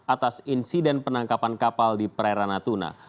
atas insiden penangkapan kapal di prerana tuna